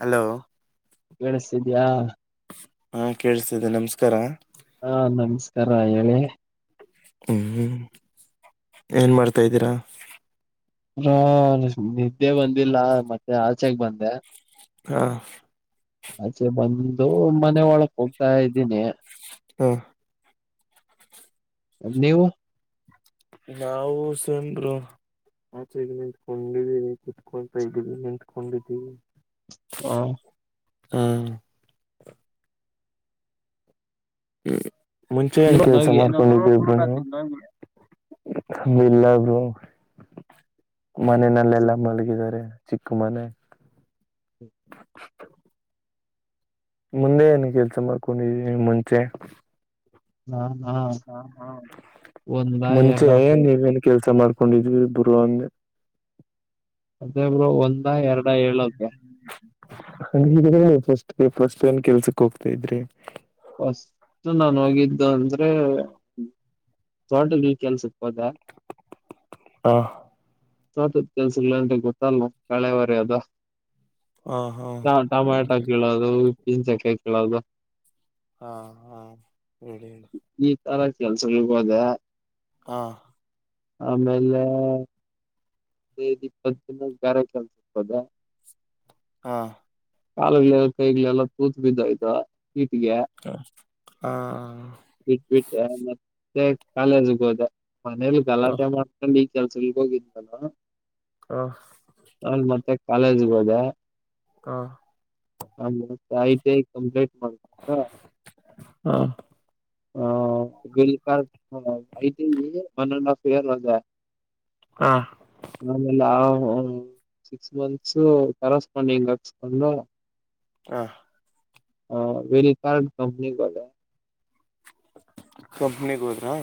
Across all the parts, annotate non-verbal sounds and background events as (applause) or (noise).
Hello ಕಳಸ್ತಿದ್ಯಾ ಹಾ ಕೇಳಿಸತಿದ್ದ ನಮಸ್ಕಾರ ಹಾ ನಮಸ್ಕಾರ ಹೇಳಿ ಹ್ಮ್್ಮ ಏನ್ ಮಾಡ್ತಾ್ದೀರಾ ಹ ನಿದ್ದೆ ಬಂದಿಲ್ಲ ಮತ್ತೆ ಆಚೆೆಗೆ ಬಂದೆ ಹಾ ಆಚೆ ಬಂದು ಮನೆ ಒಳಕ್ ಹೋಗ್ತಾ ಇದ್ದೀನಿ ಹಾ ಅ ನೀವು. ನಾವು ಸೇಮ್ ಬ್ರೋ. ಆಚೆ ಈಗ ನಿಂತ್ಕೊಂಡಿದ್ದೀವಿ ಕುತ್ಕೊಂತ ಇದಿನಿ ನಿಂತ್ಕೊಂಡಿದ್ದೀವಿ. ಹ ಹ ಹ್ಮ ಮುಂಚೆ ಏನ್ ಕೆಲ್ಸ ಹೋಗಿ ಮಾಡ್ (unintelligible) ಇಲ್ಲ ಬ್ರೋ. ಮನೆನೆಲ್ಲಾ ಮಲಗಿದ್ದಾರೆ ಚಿಕ್ ಮನೆ. ಮುಂದೆ ಏನು ಕೆಲ್ಸ ಮಾಡ್ಕೊಂಡಿದೀನಿ ಮುಂಚೆ. ನಾನ. ಮುಂಚೆ ಎರಡ ಏನ್ ಬ್ರೆಡ್, ನೀವೇನ್ ಕೆಲ್ಸ ಮಾಡ್ಕೊಂಡಿದ್ವಿ ಬ್ರೋ ಅಂದೆ. ಅದೆ ಬ್ರೋ ಒಂದ ಎರಡು ಹೇಳೋಕೆ. ಅಯ್ಯೋ ಫಸ್ಟ್ ಫಸ್ಟ್ ಏನ್ ಕೆಲ್ಸಕ್ ಹೋಗ್ತಾ ಇದ್ರಿ. ಫಸ್ಟ್ ನಾನ್ ಹೋಗಿದ್ದು ಅಂದ್ರೆ ತೋಟಗಳಿಗೆ ಕೆಲ್ಸಕ್ಕೆ ಹೋದೆ. ಹ ತೋಟುದ್ ಕೆಲ್ಸಗಳದ್ರೆ ಗೊತ್ತಲ್ಲ ಕಳೆವರಿ ಅದು. ಹ ಹಾ ಟೊಮಾಟೊ ಕೀಳೋದು ಪಿನ್ಸಕಾಯ ಕೀಳೋದು. ಹಾ ಹಾ ಹೇಳಿ ಹೇಳಿ. ಈತರ ಕೆಲ್ಸಗಳಿಗೆಗೋದೆ. ಹಾ ಆಮೇಲೆ. ಬೆಡ್ ಇಪ್ಪತ್ತು ದಿನ ಬ್ಯಾರೆ ಕೆಲಸಕ್ಕ್ ಹೋದೆ. ಹಾ ಕಾಲುಗಳ ಕೈಗಳೆಲ್ಲ ತೂತ್ ಬಿದ್ ಹೋಗಿದ್ದೊ ಹಿಟಿಗೆ. ಹಾ ಬಿಟ್ಬಿಟ್ಟೆ ಮತ್ತೆ ಕಾಲೇಜಗೆ ಹೋದೆ ಮನೇಲಿ ಹ ಹ ಗಲಾಟೆ ಮಾಡ (unintelligible) ಈ ಕೆಲಸಗಳಿಗೆ ಹೋಗಿದ್ನಾಲ. ಹ ಅಮೇಲೆ ಮತ್ತೆ ಕಾಲೇಜ್ಗೆ ಹೋದೆ. ಹಾ ಆಮೇಲೆ ಐಟಿಐ ಕಂಪ್ಲೇಟ್ ಮಾಡ್ಕೊಂಡು ಹ. (unintelligible) ಒನ್ ಅಂಡ್ ಹಾಫ್ ಇಯರ್ ಹೋದೆ. ಹಾ ಆಮೇಲೆ ಆ ಸಿಕ್ಸ್ ಮಂತ್ಸು ಕರೆಸ್ಪಾಂಡಿಂಗ್ ಹಚ್ಕೊಂಡು. ಹಾ ಹ ವೆರಿಕಾರ್ಡ್ ಕಂಪನಿಗೆ ಹೋದೆ. ಕಂಪನಿಗ್ ಹೋದ್ರಾ.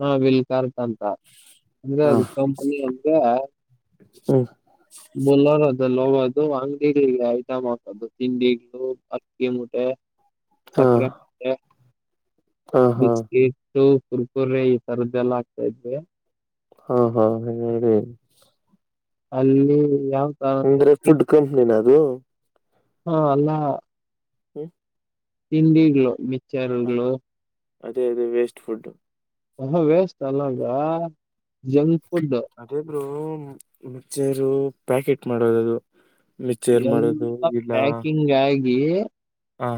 ಹಾ ವಿಲ್ಪಾರ್ಕ್ ಅಂತ ಅಂದ್ರೆ ಹ ಅದ ಕಂಪನಿ ಅಂದ್ರೆ. ಹ್ಮ್ ಬುಲ್ಲೋರ್ ಅದಲ್ಲ ಹೋಗದು ಅಂಗಡಿಗೆ ಐಟಮ್ ಹಾಕೋದು. ಅದು ತಿಂಡಿಗಳು ಅಕ್ಕಿ ಮೂಟೆ ಹ ಸಕ್ಕರೆ ಮೂಟೆ. ಹ ಹಾ ಬಿಸ್ಕಿಟು ಕುರ್ಕುರೆ ಈ ತರದ್ದೆಲ್ಲ ಹಾಕ್ತಾ ಇದ್ವಿ. ಹಾ ಹಾ ಹಾಂಗ್ಮಾಡಿ. ಅಲ್ಲಿ ಯಾವ ತರ ಅಂದ್ರೆ ತಿನ್ ಫುಡ್ ಕಂಪ್ನಿನ ಅದು. ಹಾ ಅಲ್ಲಾ. ಹ್ಮ್ ತಿಂಡಿಗ್ಗಳು ಮಿಚಾರಗಳುೋ ಅದೇ ಅದೇ ವೇಸ್ಟ್ಫುಡ್ಡು ಹ ವೇಸ್ಟ್ ಅಲ್ಲಾಗ ಜಂಕ್ ಫುಡ್ ಅದೇಬ್ರು ಮಿಕ್ಚರು ಪ್ಯಾಕೆಟ್ ಮಾಡೋದದು ಮಿಚರ್ ಮಾಡೋದು ಇಲ್ಲ ಹೆಂಗಗೆ ಹಾ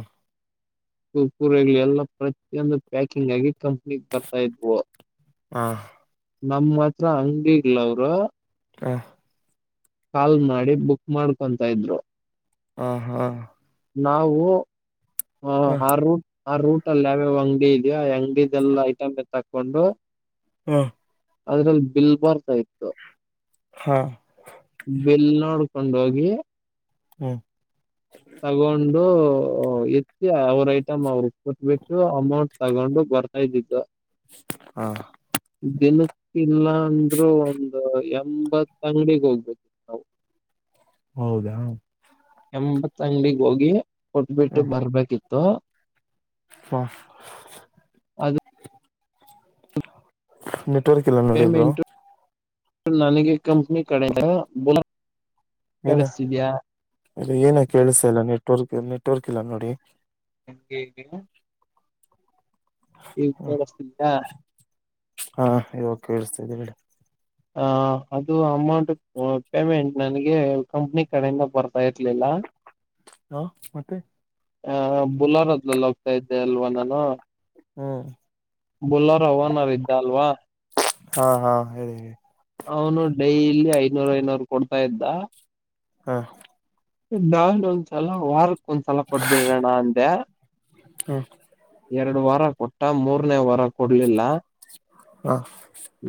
ಕೂರೆಗಳ ಎಲ್ಲಾ ಪ್ರತಿಯೊಂದು ಪ್ಯಾಕಿಂಗ್ ಆಗಿ ಕಂಪ್ನಿ ಬರ್ತಾ ಇದ್ವು ಹಾ ನಮ್ಮ್ ಹತ್ರ ಹಂಗಿಲ ಅವರು ಹ ಕಾಲ್ ಮಾಡಿ ಬುಕ್ ಮಾಡ್ಕೊಂತ ಇದ್ರು ಹಾ ಹಾ ನಾವು ಹ ಆ ರೂಟ್ ಆ ರೂಟ್ ಅಲ್ಲಿಾವ ಅಂಗಡಿಗೆ ಇದ (unintelligible) ಐಟಮ್ ತಕೊಂಡು ಹ್ಮ ಅದ್ರಲ್ಲಿ ಬಿಲ್ ಬರ್ತಾ ಇತ್ತು ಹಾ ಬೆಲ್ ನೋಡ್ಕೊಂಡ ಹೋಗಿ ಹ್ಮ್ ತಗೊಂಡು ಎತ್ತಿ ಅವ್ರ ಐಟಮ್ ಅವ್ರ ಕೊಟ್ಬಿಟ್ಟು ಅಮೌಂಟ್ ತಗೊಂಡು ಬರ್ತಾ ಇದ್ದಿದ್ದು ಹಾ ದಿನಕ್ಕಲ್ಲ ಅಂದ್ರರು ಒಂದು ಎಂಬತ್ ಅಂಗಡಿಿಗೆ ಹೋಗ್ಬೇಕು ನಾವು ಹೌದಾ ಎಂಬತ್ ಅಂಗಡಿಿಗೆ ಹೋಗಿ ಕೊಟ್ಬಿಟ್ಟು ಬರ್ಬೇಕಿತ್ತು (unintelligible) ಅದು ನೆಟ್ವರ್ಕ್ ಇಲ್ಲ ನೋಡಿ ಬ್ರೋ ಪೇಮೆಂಟ್ ನನಗೆ ಕಂಪನಿ ಕಡೆ ನೂ ಕಿಸತಿದಯಾ ರಿ ಏನ ಕೇಳಸ ಇಲ್ಲ ನೆಟ್ವರ್ಕ್ ನೆಟ್ವರ್ಕ್ ಇಲ್ಲ ನೋಡಿ (unintelligible) ಈಗ ಹ್ಮ ಕೆಲಸಇಲ್ವಾ ಹಾ ಇವಾಗ ಕೇಳಿಸ್ತಿದೆ ಬಿಡೆ ಆ ಅದು ಅಮೌಂಟ್ ಪೇಮೆಂಟ್ ನನಗೆ ಕಂಪ್ನಿ ಕಡೆಯಿಂದ ಬರ್ತಾ ಇರ್ಲಿಲ್ಲ ಹಾ ಮತ್ತೆ ಆ ಬುಲಾರದಲೆಲ್ಲಿ ಹೋಗ್ತಾ ಇದ್ದೆ ಅಲ್ವಾ ನಾನು ಹ್ಮ್ ಬೊಲಾರವನ ಓನರ್ ಇಲವ ಹಾ ಹಾ ಹೇಳಿ ಹೇಳಿ ಅವನು ಡೈಲಿ ಐನೂರು ಐನೂರು ಕೊಡ್ತಾ ಇದ್ದ ಹಾ (unintelligible) ಒಂದ್ಸಲ ವಾರಕ್ ಒಂದ್ಸಲ ಕೊಟ್ಬಿಡ್ರಣ್ಣ ಅಂದೆ ಹ್ ಎರಡು ವಾರ ಕೊಟ್ಟ ಮೂರ್ನೇ ವಾರ ಕೊಡ್ಲಿಲ್ಲ ಹಾ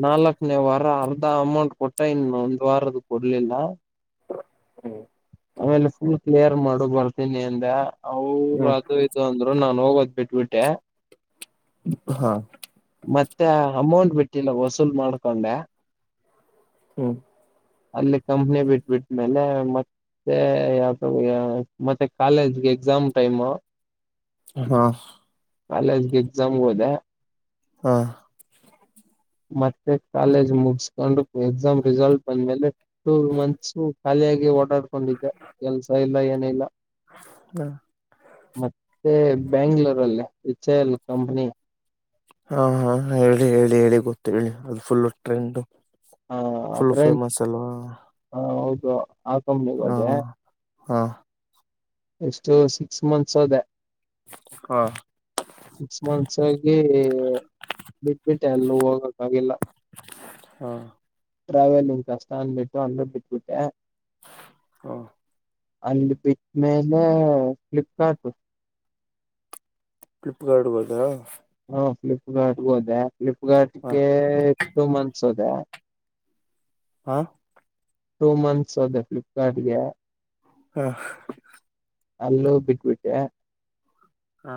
ನಾಲ್ಕನೇ ವಾರ ಅರ್ಧ ಅಮೌಂಟ್ ಕೊಟ್ಟ ಇನ್ನು ಒಂದ್ ವಾರ ಅದು ಕೊಡ್ಲಿಲ್ಲ ಹ್ಮ್ ಆಮೇಲೆ ಫುಲ್ ಕ್ಲಿಯರ್ ಮಾಡು ಬರ್ತೀನಿ ಅಂದ ಅವರು ಹ್ಮ್ ಅದು ಇ ಇದು ಅಂದ್ರು ನಾನ್ ಹೋಗೋದ್ ಬಿಟ್ಬಿಟ್ಟೆ. ಹಾ ಮತ್ತೆ ಅಮೌಂಟ್ ಬಿಟ್ಟಿಲ್ಲ ವಸೂಲ್ ಮಾಡ್ಕೊಂಡೆ. ಹ್ಮ್ ಅಲ್ಲಿ ಕಂಪ್ನಿ ಬಿಟ್ಬಟ್ಟ್ಮೇಲೆ ಮ ಮತ್ತೆ ಯಾಕ ಮತ್ತೆ ಕಾಲೇಜ್ಗೆ ಎಕ್ಸಾಮ್ ಟೈಮು. ಹಾ ಕಾಲೇಜ್ಗೆ ಎಕ್ಸಾಮ್ ಹೋದೆ. ಹಾ ಮತ್ತೆ ಕಾಲೇಜ್ ಮುಗಸ್ಕೊಂಡು ಎಕ್ಸಾಮ್ ರಿಸಲ್ಟ್ ಬಂದ್ಮೇಲೆ. ಟೂ ಮಂತ್ಸು ಖಾಲಿಯಾಗಿ ಓಡಾಡ್ಕೊಂಡಿದ್ದೆ ಕೆಲ್ಸ ಇಲ್ಲ ಏನ ಇಲ್ಲ. ಹ್ಮ ಮತ್ತೆ ಬ್ಯಾಂಗ್ಳೂರಲ್ಲೆ ಎಚ್ ಎ ಎಲ್ ಕಂಪ್ನಿ. ಹಾ ಹಾ ಹೇಳಿ ಹೇಳಿ ಹೇಳಿ ಗೊತ್ತ ಹೇಳಿ ಅದು ಫುಲ್ ಟ್ರೆಂಡು. ಹ ಫ್ರೆಂಚ್ ಹ ಹೌದು. ಅ ಕಂಪನಿಗೆ ಹಾ ಹೋದೆ ಹಾ ಎಸ್ಟು ಸಿಕ್ಸ್ ಮಂತ್ಸ್ ಹೋದೆ. ಹಾ ಸಿಕ್ಸ್ ಮಂತ್ಸ್ ಆಗಿ ಬಿಟ್ಬಿಟ್ಟೆ ಅಲ್ಲು ಹೋಗಕ್ಗಿಲ್ಲ. ಹಾ ಟ್ರಾವೆಲಿಂಗ್ ಕಷ್ಟ ಅನ್ಬಿಟ್ಟು ಅಲ್ಲು ಬಿಟ್ಬಿಟೆ. ಹ ಅಲ್ ಬಿಟ್ಮೇಲೆ ಫ್ಲಿಪ್ಕಾರ್ಟು. ಫ್ಲಿಪ್ಕಾಟ್ಗೋದಾ. ಹಾ ಫ್ಲಿಪ್ಕಾರ್ಟ್ಗೆ ಹೋದೆ ಹಾ ಫ್ಲಿಪ್ಕಾರ್ಟ್ಗೆ ಟೂ ಮಂತ್ಸ್ ಹೋದೆ. ಹಾ ಟೂ ಮಂತ್ಸ್ ಹೋದೆ ಫ್ಲಿಪ್ಕಾರ್ಟ್ ಗೆ. ಹಾ ಅಲ್ಲೂ ಬಿಟ್ಬಿಟ್ಟೆ. ಹಾ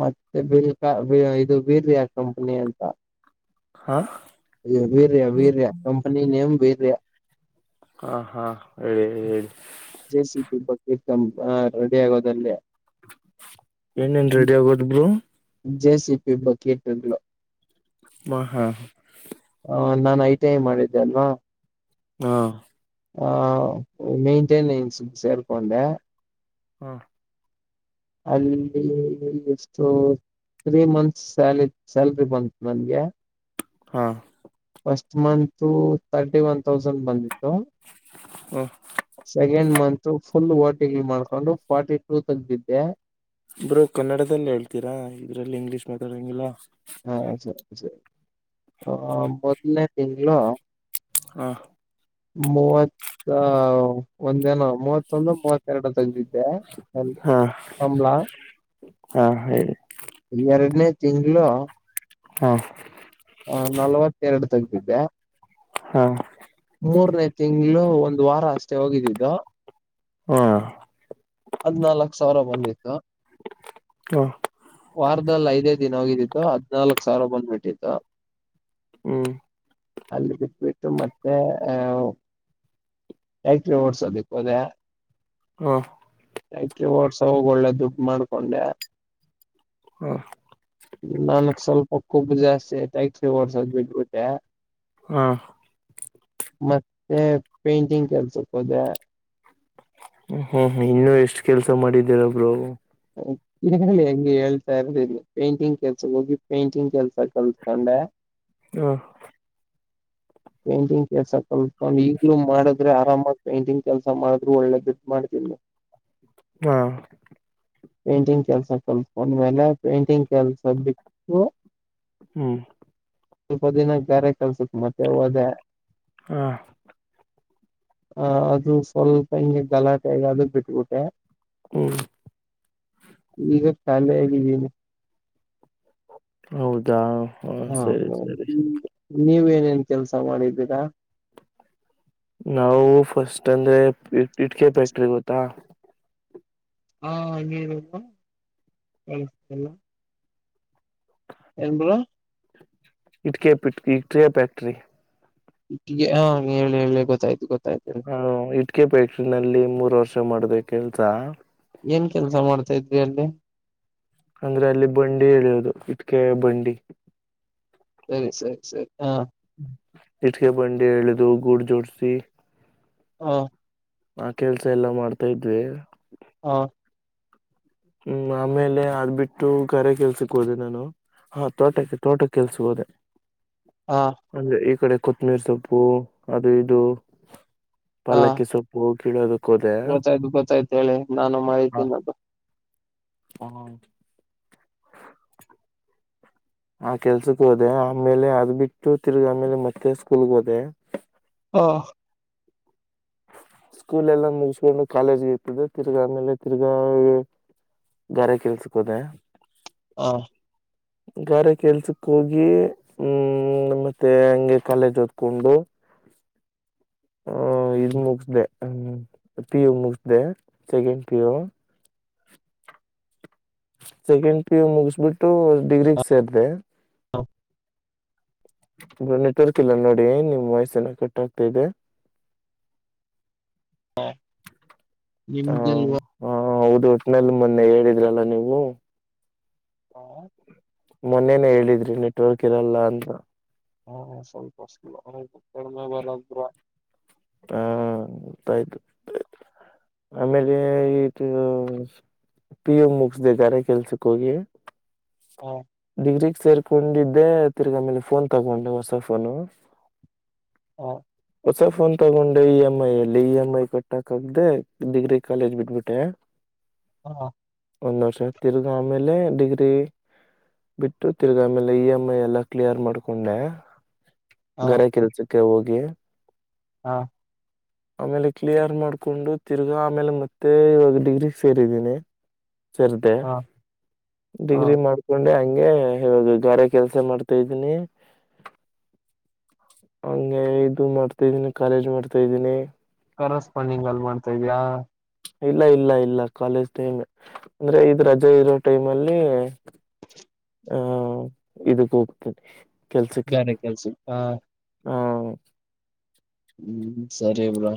ಮತ್ತೆ ಬಿಲ್ (unintelligible) ಇದು ಬೀರಯ ಕಂಪನಿ ಅಂತ. ಹಾಂ urea urea company name urea. ಹಾ ಹಾ ಹೇಳಿ ಹೇಳಿ ಹೇಳಿ. ಜೆ ಸಿ ಪಿ ಬಗ್ಗೆ ತ ರೆಡಿ ಆಗೋದಲ್ಲಿ. ಏನ ನ್ ರೆಡಿ ಆಗೋದ್ ಬ್ರೋ. ಜೆ ಸಿ ಪಿ ಬಕೆಟುಗಳು. ಹಾ ಹಾ ಹ ನಾನ್ ಐಟಿಐ ಮಾಡಿದ್ದೆ ಅಲ್ವಾ. ಹಾ ಆ ಮೇಂಟೆನೆನ್ಸ್ ಸೇರ್ಕೊಂಡೆ. ಹಾ ಅಲ್ಲಿ ಎಷ್ಟು. ತ್ರೀ ಮಂತ್ಸ್ ಸಾಲ ಸ್ಯಾಲ್ರಿ ಬಂತ್ ನನ್ಗೆ. ಹಾ first month thirty one thousand ಬಂದಿತ್ತು ಹೂ ಸೆಕೆಂಡ್ ಮಂತ್ ಫುಲ್ ವಓಟಿಂಗ್ ಮಾಡ್ಕೊಂಡು ಫಾರ್ಟಿ ಟೂ ತಗಿದ್ದೆ ಇಬ್್ರರು ಕನ್ನಡದದಲ್ಲಿ ಹೇಳ್ತೀರಾ ಇದ್ರಲ್ಲಿ ಇಂಗ್ಲಿೀಷ್ ಮಾತಾಡೋಂಗಿಲ್ಲ ಹಾ ಸರಿ ಸರಿ ಮೊದನೇ ತಿಂಗಳು ಹಾ ಮೂವತ್ತ ಒಂದೇನ ಮೂವತ್ತೊಂದು ಮೂವತ್ತೆರಡು ಐತಿ ಇದೇ ಅಲ್ಲಿ ಹ ಆಂಬಲ ಹ ಹೇಳಿ ಎರಡನೇ ತಿಂಗಳು ಹಾ ಹ ನಲ್ವತ್ತೆರಡು ತೆಗ್ದಿದ್ದೆ ಹ ಮೂರನೇ ತಿಂಗಳು ಒಂದು ವಾರ ಅಷ್ಟೇ ಹೋಗಿದ್ದಿದ್ದು ಹಾ ಹದ್ನಾಾಲ್ಕಕ್ ಸಾವಿರ ಬಂದಿತ್ತು ಹೂ ವಾರದಲ್ಲಿ ಐದೇ ದಿನ ಹೋಗಿದ್ದಿತ್ತು ಹದ್ನಾಾಲ್ಕಕ್ ಸಾವಿರ ಬಂದ್ಬಿಟ್ಟಿತ್ತು ಹೂ ಅಲ್ಲಿ ಬಿಟ್ಬಿಟ್ಟು ಮತ್ತೆ ಅ ಯಾಕ್ಟ್ರೆ ಓಡ್ಸೋದು ಅದ ಹೂ ಐಟಿ ವರ್ಸ ಹೋಗಿ ಒಳ್ಳೆ ದುಡ್ ಮಾಡ್ಕೊಂಡೆ ಹೂ ನನ್ಕ್ ಸ್ವಲ್ಪ ಕೊಬ್ಬು ಜಾಸ್ತಿ ತಟೈಕ್ ಓಡ್ಸೋದ್ ಬಿಟ್ಬಿಟ್ಟೆ ಹ ಮತ್ತೆ ಪೇಂಟಿಂಗ್ ಕೆಲ್ಸಕ್ಕೆ ಹೋದೆ ಹೂ ಇನ್ನು ಎಷ್ಟ್ ಕೆಲ್ಸ ಮಾಡಿದ್ದೀರಬ್್ರರು ಹೌ ಈ ಕಡೆ ಹೆಂಗೆ ಹೇಳ್ತಾ ಇರೋದ ಇಲ್ಲಿ ಪೈಂಟಿಂಗ್ ಕೆಲ್ಸ ಹೋಗಿ ಪೈಂಟಿಂಗ್ ಕೆಲ್ಸ ಕಲ್ಸ್ಕೊಂಡೆ ಹಾ ಪೇಂಟಿಂಗ್ ಕೆಲ್ಸ ಕಲ್ತ್ಕೊಂಡು ಈಗ್ಲೂ ಮಾಡಿದ್ರ ಆರಾಮಾಗಿ ಪೇಂಟಿಂಗ್ ಕೆಲ್ಸ ಮಾಡಿದ್ರು ಒಳ್ಳೇದುಡ್ ಮಾಡ್ತೀನಿ ಹಾ ಪೇಂಟಿಂಗ್ ಕೆಲ್ಸ ಕಲ್ತ್ಕೊಂಡ್ಮೇಲೆ ಪೇಂಟಿಂಗ್ ಕೆಲ್ಸ ಬಿಟ್ಟು ಹ್ಮ್ ಸ್ವಲ್ಪ ದಿನ ಗಾರೆ ಕಲ್ಸಕ್ ಹೋದೆ ಹಾ ಅ ಅ್ರದು ಸ್ವಲ್ಪ ಹಿಂಗೆ ಗಲಾಟೆ ಆಗ ಅದು ಬಿಟ್ಬಿಟ್ಟೆ ಹ್ಮ್ ಈಗ ಶಾಲೆ ಆಗಿದ್ದೀನಿ ಹೌದಾ ಹಾ ಸರಿ ಸರಿ ನೀವೇಏನೇನ್ ಕೆಲ್ಸ ಮಾಡಿದ್ದೀರಾ ನಾವು ಫಸ್ಟ್ ಅಂದ್ರೆ ಇಟ್ಕೆ ಫ್ಯಾಕ್ಟ್ರಿಗೆ ಗೊತ್ತಾ ಹಾ ಹಂಗೆ ಇರಪ್ಪ ಏನ್ ಬ್ರೋ ಇಟ್ಟಿಗೆ ಇಟ್ಟಿಗೆ ಪ್ಯಾಕ್ಟ್ರಿ ಿಗೆ ಹ ಹೇಳಿ ಹೇಳಿ ಗೊತ್ತಾಯ್ತು ಗೊತ್ತಾಯ್ತು ಹೇಳಿ ಹಾ ಇಟ್ಕೆ ್ಯಾಕ್ಟ್ರ ನಲ್ಲಿ ಮೂರ್ ವರ್ಷ ಮಾಡ್ದೆ ಕೆಲ್ಸ ಏನ್ ಕೆಲ್ಸ ಮಾಡ್ತಾ ಇದ್ರಿ ಅಲ್ಲಿ ಅಂದ್ರೆ ಅಲ್ಲಿ ಬಂಡಿ ಹೇಳಿಯುದು ಇಟ್ಕೆ ಬಂಡಿ ಸರಿ ಸರಿ ಸರಿ ಹ ಇಟ್ಕ ಬಂಡಿ ಎಳದು ಗೂಡ್ ಜೋಡಸಿ ಹಾ ಆಾ ಕೆಲ್ಸ ಎಲ್ಲಾ ಮಾಡ್ತಾ ಇದ್ವಿ ಹ ಹೂ ಆಮೇಲೆ ಅದ್ ಬಿಟ್ಟು ಕರೆ ಕೆಲ್ಸಕ್ ಹೋದೆ ನಾನು ಹಾ ತೋಟಕ್ಕೆ ತೋಟ ಕೆಲ್ಸ ಹೋದೆ ಹಾ ಅಂದ್ರೆ ಈ ಕಡೆ ಕೊತ್ತಂಬಿರಿ ಸೊಪ್ಪು ಅದು ಇದು ಹಾ ಪಲ್ಲಕ್ಕಿ ಸೊಪ್ಪು ಹೋಗ ಕೀಲಾರು ಗೊತ್ತಾಯ್ತು ಗೊತ್ತಾಯ್ತು ಹೇಳಿ ನಾನು ಮಾಹಿತಿೀನ್ನೋದು ಹೂ ಆ ಕೆಲ್ಸಕ್ ಹೋದೆ ಆಮೇಲೆ ಅದ್ ಬಿಟ್ಟು ತಿರ್ಗ ಆಮೇಲೆ ಮತ್ತೆ ಸ್ಕೂಲ್ಗ ಹೋದೆ ಹಾ ಸ್ಕೂಲ್ ಎಲ್ಲ ಮುಗಿಸಕೊಂಡು ಕಾಲೇಜ್ಗೆ ಇರ್ತದೆ ತಿರ್ಗಾ ಆಮೇಲೆ ತಿರ್ಗಾ ಗಾರೆ ಕೆಲ್ಸಕೋದೆ ಹಾ ಹಾ ಗಾರೆ ಕೆಲ್ಸಕ್ ಹೋಗಿ ಹೂ ಮತ್ತೆ ಹಂಗೆ ಕಾಲೇಜ್ ಹೊತ್ಕೊಂಡು ಹೂ ಮುಗಿಸಿದೆ ಹೂ ಪಿಯು ಮುಗ್ಧ ಸೆಕೆಂಡ್ ಪಿಯೂ ಸೆಕೆಂಡ್ ಪಿಯು ಮುಗಿಸ್ಬಿಟ್ಟು ಡಿಗ್ರಿಗ್ ಸೇರ್ಿದೆ ಹೌ ನೆಟ್ವರ್ಕ್ ಇಲ್ಲ ನೋಡಿ ನಿಮ್ಮ್ ವಯಸ್ಸಏನ ಕಟ್ ಆಗ್ತಾ ಇದೆ ಹಾ ನಿಮ್ಗೆಲ್ವ ಹಾ ಹೌದು ಒಟ್ಟಿನಲ್ಲಿ ಮೊನ್ನೆ ಹೇಳಿದ್ರಲ್ಲ ನೀವು ಹ ಮೊನ್ನೆನೆೇ ಹೇಳಿದ್ರಿ ನೆಟ್ವರ್ಕ್ ಇರಲ್ಲ ಅಂತ ಹಾ ಸ್ವಲ್ಪ ಸ್ವಲ್ಪ ಕಡಿಮೆ ಇದ್ರ ಹಾ ಗೊತ್ತಾ ಆಯ್ತು ಆಮೇಲೆ ಇದು ಪಿ ಯು ಮುಗಸ್ದಿದ್ದಾರೆ ಕೆಲ್ಸಕ್ ಹೋಗಿ ಹಾ ಡಿಗ್ರಿಗ್ ಸೇರ್ಕೊಂಡಿದ್ದೆ ತಿರ್ಗಾ ಮೇಲೆ ಫೋನ್ ತಗೊಂಡು ಹೊಸ ಫೋನು ಹ ಹೊಸ ಫೋನ್ ತಗೊಂಡೆ ಇ ಎಮ್ ಐ ಅಲ್ಲಿ ಇ ಎಂ್ ಐ ಕಟ್ಟಕಕ್್ದ ಡಿಗ್ರಿ ಕಾಲೇಜ್ ಬಿಟ್ಬಿಟ್ಟೆ (inaudible) ಹಾ ಒಂದು ವರ್ಷ ತಿರ್ಗಿ ಆಮೇಲೆ ಡಿಗ್ರಿ ಬಿಟ್ಟು ತಿರ್ಗ ಆಮೇಲೆ ಇ ಎಮ್ ಐ ಎಲ್ಲ ಕ್ಲಿಯರ್ ಮಾಡ್ಕೊಂಡೆ ಹ ಗರೆ ಕೆಲ್ಸಕ್ಕೆ ಹೋಗಿ ಹಾ (inaudible) ಆಮೇಲೆ ಕ್ಲಿಯರ್ ಮಾಡ್ಕೊಂಡು ತಿರ್ಗಾ ಆಮೇಲೆ ಮತ್ತೆ ಇವಾಗ ಡಿಗ್ರಿ ಸೇರಿದ್ದೀನಿ ಸಾರ್ ಗೆ ಹ ಡಿಗ್ರಿ ಮಾಡ ಕಕೊಂಡೆ ಹಂಗೆ ಹದು ಗಾರೆ ಕೆಲ್ಸ ಮಾಡ್ತಾ ಇದೀನಿ ಹಂಗೆ ಇದು ಮಾಡ್ತಾ ಇದಿದ್ದೀನಿ ಕಾಲೇಜ್ ಮಾಡ್ತಾ ಇದ್ದೀನಿ ಕರಸ್ಪ್ಣಿಂಗಲ್ ಮಾಡ್ತಾ ಇದ್ಯಾ ಇಲ್ಲ ಇಲ್ಲ ಇಲ್ಲ ಕಾಲೇಜ್ ಟೈಮ್ ಅಂದ್ರೆ ಇದ ರಜೆ ಇರೋ ಟೈಮ್ ಅಲ್ಲಿ ಹ್ಮ ಇದಕ್ಕೆ ಹೋಗ್ತೇನನೆ ಕೆಲ್ಸಕ್ಕೆ ಗಾರೆ ಕೆಲ್ಸ ಹ ಹ್ಮ ಹ್ಮ್ ಸರಿ ಬ್ರೋ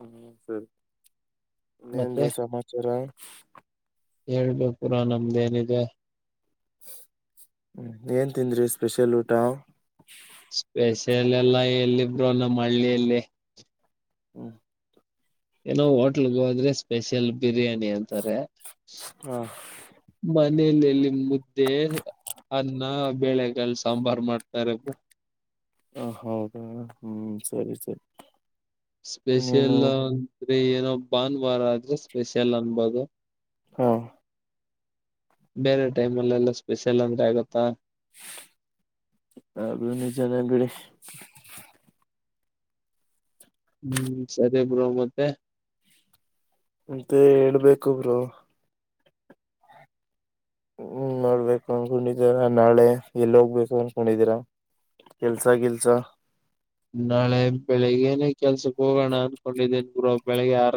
ಹ್ಮ ಸರಿ ಮತ್ತೆ ಏನ್ರೀ ಸಮಾಚಾರ ಹೇಳ್ಬೇಕು ಬ್ರೋ ನಮ್ದೇಏನಿದೆ ಹ್ಮ ಏನ್ ತಿಂದ್ರಿ ಸ್ಪೆಷಲ್ ಊಟ ಸ್ಪೆಷಲ್ ಎಲ್ಲ ಎಲ್ಲಿಬ್ರು ನಮ್ಮ ಹಳ್ಳಿಯಲ್ಲಿ ಹ್ಮ್ ಏನೋ ಹೋಟ್ಲ್ಗೆ ಹೋದ್ರೆ ಸ್ಪೆಷಲ್ ಬಿರಿಯಾನಿ ಅಂತಾರೆ ಹ ಮನಲಿಲ್ಲಿ ಮುದ್ದೆ ಅನ್ನ ಬೇಳೆಗಾಲ ಸಾಂಬಾರ್ ಮಾಡ್ತಾರೆ ಹ ಹೌದಾ ಹ್ಮ್ ಸರಿ ಸರಿ ಸ್ಪೆಷಲ್ ನೀನು ಅಂದ್ರೆ ಏನೋ ಭಾನುವಾರ ಆದ್ರೆ ಸ್ಪೆಷಲ್ ಅನ್ಬೋದು ಹಾ ಬೇರೆ ಟೈಮಲ್ಲ ಎಲ್ಲ ಸ್ಪೆಷಲ್ ಅಂದ್ರೆ ಆಗತ್ತಾ ಅದು ನಿಜನೆ ಬಿಡಿ ಹ್ಮ್ ಸರಿ ಮತ್ತೆ ಬ್ರು ಮತ್ತೆ ಮತ್ತೆ ಹೇಳ್ಬೇಕೊಬ್ರು ಹ್ಮ್ ನೋಡ್ಬೇಕು ಅನ್ಕೊಂಡಿದೀರ ನಾಳೆ ಎಲ್ಲಿ ಹೋಗ್ಬೇಕು ಅನ್ಕೊಂಡಿದೀರಾ ಕೆಲಸ ಗಿಲ್ಸಾ ನಾಳೆ ಬೆಳಿಗ್ಗೆನೆ ಕೆಲ್ಸಕ್ ಹೋಗೋಣ ಅನ್ಕೊಂಡಿದ್ದೇನ್ ಗು ಬೆಳಗ್ಗೆ ಆರು